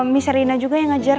miss irina juga yang ngajar